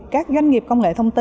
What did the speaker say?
các doanh nghiệp công nghệ thông tin